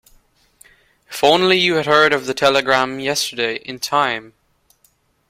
If only you had heard of the telegram yesterday in time!